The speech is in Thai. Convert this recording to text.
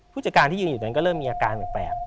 ผู้จัดการที่อยู่ตรงนั้นก็เริ่มมีอาการแบบแปลก